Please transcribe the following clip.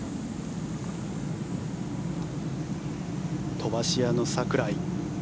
飛ばし屋の櫻井。